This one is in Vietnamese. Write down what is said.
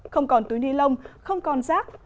không còn túi ni lông không còn rác